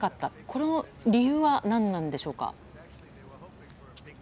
この理由は何でしょうか。